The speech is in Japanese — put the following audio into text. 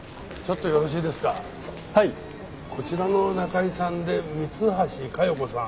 こちらの仲居さんで三橋加代子さん